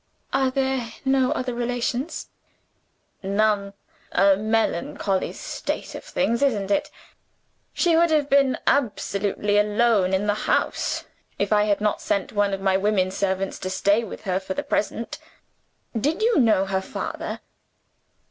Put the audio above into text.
"Are there no other relations?" "None. A melancholy state of things, isn't it? She would have been absolutely alone in the house, if I had not sent one of my women servants to stay with her for the present. Did you know her father?"